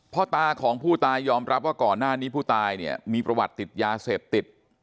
พ่อตาของผู้ตายยอมรับว่าก่อนหน้านี้ผู้ตายเนี่ยมีประวัติติดยาเสพติด